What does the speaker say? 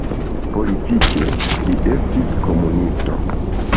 Politike li estis komunisto.